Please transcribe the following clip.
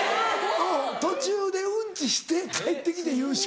途中でウンチして帰って来て優勝。